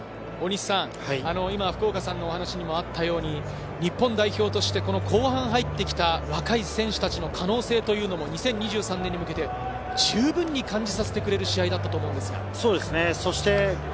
今、福岡さんのお話もあったように、日本代表として後半入ってきた若い選手たちの可能性というのも２０２３年に向けて、十分に感じさせてくれる試合だったと思うんですが。